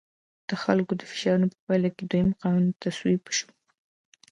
د خلکو د فشارونو په پایله کې دویم قانون تصویب شو.